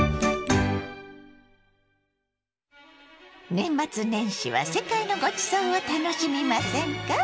年末年始は世界のごちそうを楽しみませんか？